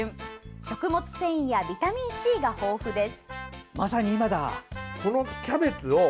食物繊維やビタミンＣが豊富です。